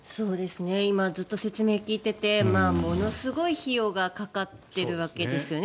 今ずっと説明を聞いていてものすごい費用がかかっているわけですよね